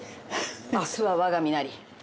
明日は我が身なり。